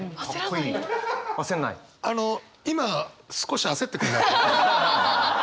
あの今少し焦ってくんないかな？